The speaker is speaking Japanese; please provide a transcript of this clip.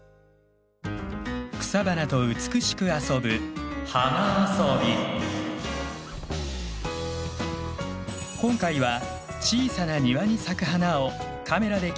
草花と美しく遊ぶ今回は小さな庭に咲く花をカメラで切り取ります。